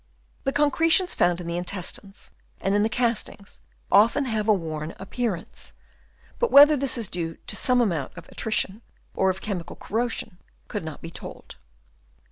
The concretions found in the intestines and in the castings often have a worn appearance, but whether this is due to some amount of attrition or of chemical corrosion could not be told.